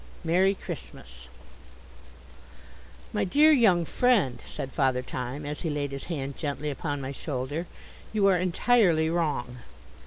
Merry Christmas "My Dear Young Friend," said Father Time, as he laid his hand gently upon my shoulder, "you are entirely wrong."